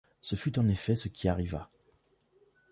Ce fut en effet ce qui arriva.